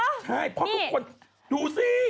ใช่เพราะทุกคนดูสิ